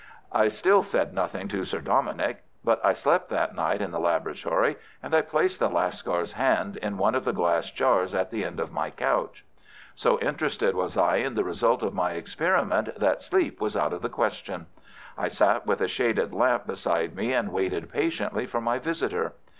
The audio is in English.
I still said nothing to Sir Dominick, but I slept that night in the laboratory, and I placed the Lascar's hand in one of the glass jars at the end of my couch. So interested was I in the result of my experiment that sleep was out of the question. I sat with a shaded lamp beside me and waited patiently for my visitor.